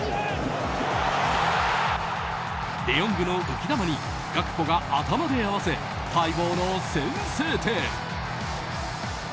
デ・ヨングの浮き球にガクポが頭で合わせ待望の先制点。